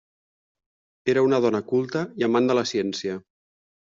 Era una dona culta i amant de la ciència.